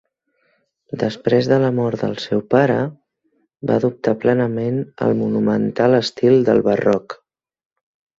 Després de la mort del seu pare, va adoptar plenament el monumental estil del barroc.